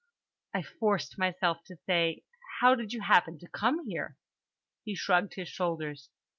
I forced myself to say: "How did you happen to come here?" He shrugged his shoulders.